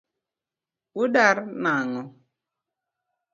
Udar nang'o?